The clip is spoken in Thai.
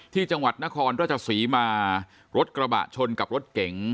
ที่จังหวัดนครราชศรีมารถกระบะชนกับรถเก๋ง